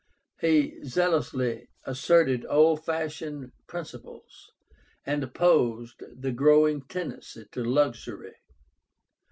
He zealously asserted old fashioned principles, and opposed the growing tendency to luxury.